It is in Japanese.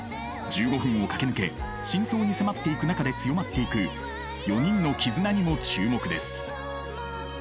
１５分を駆け抜け真相に迫っていく中で強まっていく４人の絆にも注目です。